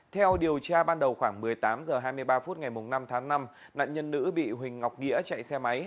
theo điều tra ban đầu khoảng một mươi tám h hai mươi ba phút ngày năm tháng năm nạn nhân nữ bị huỳnh ngọc nghĩa chạy xe máy